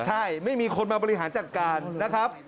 ใช่ไม่มีคนมาบริหารจัดการนะครับ